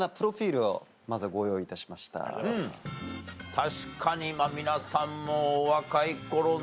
確かに皆さんもお若い頃の。